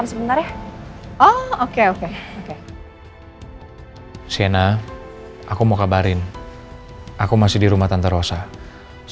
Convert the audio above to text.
sebisa mungkin aku susul kamu segera ya oh sih aku mau nyerein aku mau kabarin aku masih di rumah tante rosa sebisa mungkin aku susul kamu segera ya